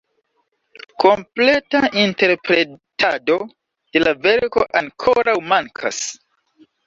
Kompleta interpretado de la verko ankoraŭ mankas!